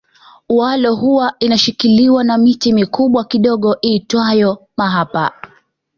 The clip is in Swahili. Walo huwa inashikiliwa na miti mikubwa kidogo iitwayo mahapa